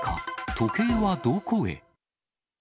時計はどこへ？